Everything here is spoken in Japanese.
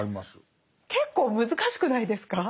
結構難しくないですか？